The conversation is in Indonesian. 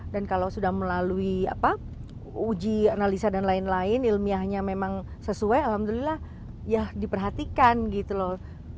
dan kalau sudah melalui uji analisa dan lain lain ilmiahnya memang sesuai alhamdulillah ya diperhatikan gitu loh